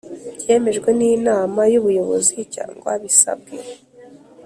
byemejwe n Inama y ubuyobozi cyangwa bisabwe